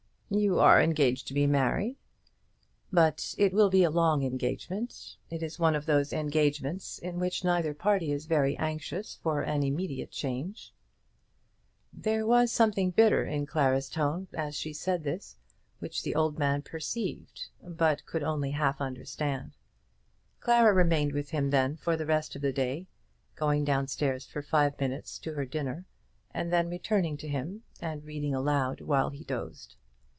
"You are engaged to be married." "But it will be a long engagement. It is one of those engagements in which neither party is very anxious for an immediate change." There was something bitter in Clara's tone as she said this, which the old man perceived, but could only half understand. Clara remained with him then for the rest of the day, going down stairs for five minutes, to her dinner, and then returning to him and reading aloud while he dozed.